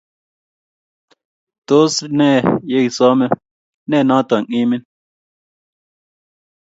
Tos ne ye isome? Ne noto iminy?